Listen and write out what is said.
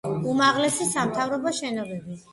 უმაღლესი სამთავრობო შენობები.